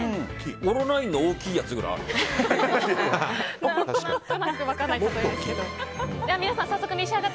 オロナインの大きいやつぐらいある。